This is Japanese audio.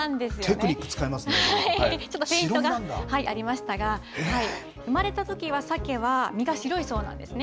結構、気、遣いますね、ちょっとフェイントがありましたが、生まれたときはサケは身が白いそうなんですね。